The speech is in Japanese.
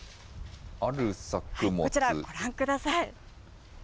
こちら、ご覧ください。